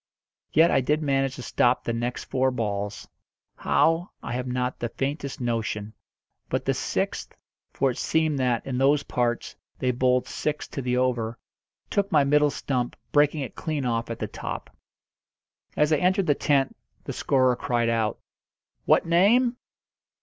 Yet I did manage to stop the next four balls how, I have not the faintest notion; but the sixth for it seemed that, in those parts, they bowled six to the over took my middle stump, breaking it clean off at the top. As I entered the tent the scorer cried out "What name?"